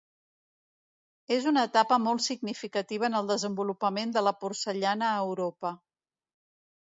És una etapa molt significativa en el desenvolupament de la porcellana a Europa.